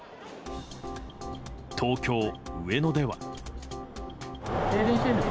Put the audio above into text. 東京・上野では。